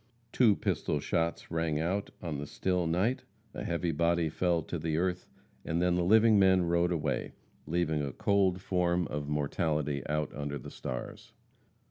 Two pistol shots rang out on the still night, a heavy body fell to the earth, and then the living men rode away, leaving a cold form of mortality out under the stars.